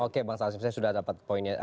oke bang sasif saya sudah dapat poinnya